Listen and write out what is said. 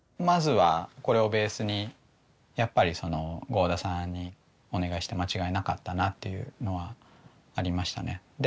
まずはこれをベースにやっぱりその合田さんにお願いして間違いなかったなっていうのはありましたね。